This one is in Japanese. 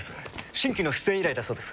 新規の出演依頼だそうです。